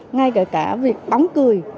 ngay cả việc bóng cười